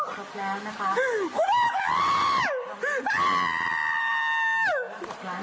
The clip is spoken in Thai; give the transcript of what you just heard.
คุณพ่อคุณพ่อ